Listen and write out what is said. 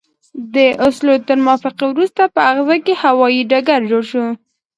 د اوسلو تر موافقې وروسته په غزه کې هوايي ډګر جوړ شو.